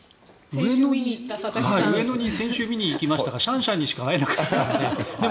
上野に先週、見に行きましたがシャンシャンにしか会えなかったので。